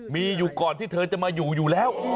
มีอยู่ก่อนที่เธอจะมาอยู่อยู่แล้ว